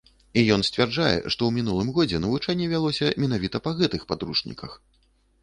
І ён сцвярджае, што ў мінулым годзе навучанне вялося менавіта па гэтых падручніках.